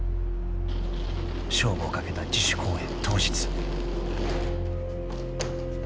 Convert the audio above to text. ［勝負をかけた自主公演当日］